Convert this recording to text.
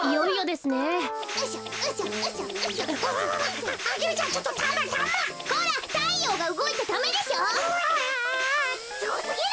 すごすぎる！